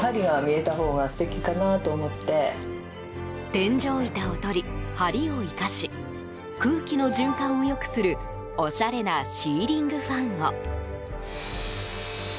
天井板を取り、梁を生かし空気の循環を良くするおしゃれなシーリングファンを。